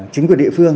chính quyền địa phương